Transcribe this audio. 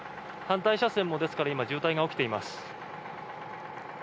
反対車線も、ですから今渋滞が起きています。